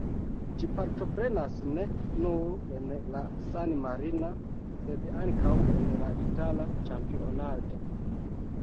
Ĝi partoprenas ne nur en la san-marina, sed ankaŭ en la itala ĉampionado.